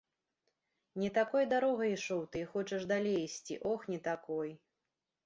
Не такой дарогай ішоў ты і хочаш далей ісці, ох, не такой.